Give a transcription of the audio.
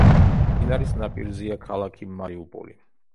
მდინარის ნაპირზეა ქალაქი მარიუპოლი.